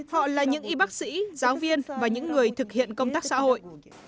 họ là những y bác sĩ giáo viên và những người thực hiện công tác xã hội